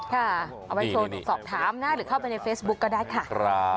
เอาไปโทรสอบถามนะหรือเข้าไปในเฟซบุ๊คก็ได้ค่ะ